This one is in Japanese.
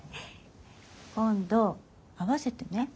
今度会わせてね。